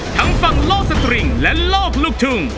ทั้งฝั่งโลกสตริงและโลกลูกทุ่ง